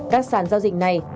các sản giao dịch này